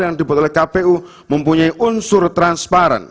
yang dibuat oleh kpu mempunyai unsur transparan